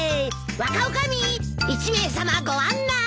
若女将１名さまご案内！